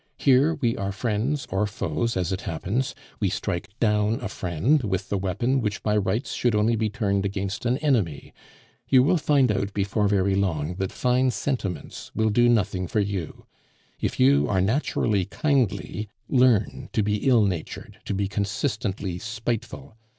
Here we are friends or foes, as it happens; we strike down a friend with the weapon which by rights should only be turned against an enemy. You will find out, before very long, that fine sentiments will do nothing for you. If you are naturally kindly, learn to be ill natured, to be consistently spiteful.